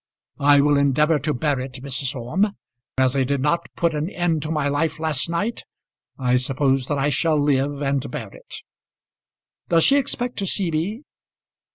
I will endeavour to bear it, Mrs. Orme. As I did not put an end to my life last night I suppose that I shall live and bear it. Does she expect to see me?"